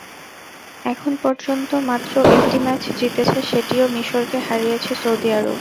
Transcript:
এখন পর্যন্ত মাত্র একটি ম্যাচ জিতেছে, সেটিও মিসরকে হারিয়েছে সৌদি আরব।